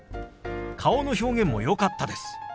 顔の表現もよかったです。